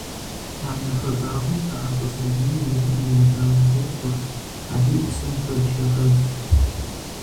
Анэ хуэбагъым пэӀэщӀэ сабийм и гур иудауэ къохъур, абы и псэм куэд щегъэв.